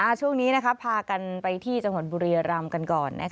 ช่วงนี้พากันไปที่จังหวัดบุรียรำกันก่อน